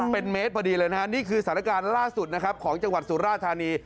เป็นเมตรพอดีเลยนะฮะนี่คือสถานการณ์ล่าสุดนะครับของจังหวัดสุราธานี